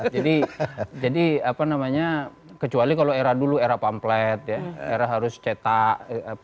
jadi kecuali kalau era dulu era pamplet era harus cetak